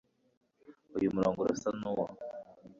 uyu murongo urasa nuwo